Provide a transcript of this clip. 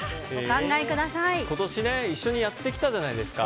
今年一緒にやってきたじゃないですか。